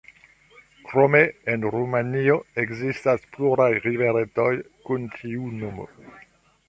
Krome en Rumanio ekzistas pluraj riveretoj kun tiu nomo.